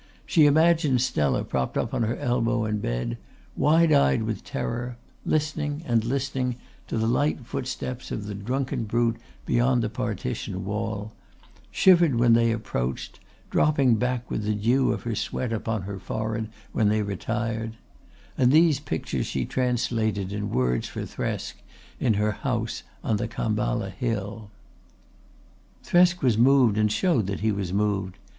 She imagined Stella propped up on her elbow in bed, wide eyed with terror, listening and listening to the light footsteps of the drunken brute beyond the partition wall, shivering when they approached, dropping back with the dew of her sweat upon her forehead when they retired; and these pictures she translated in words for Thresk in her house on the Khamballa Hill. Thresk was moved and showed that he was moved.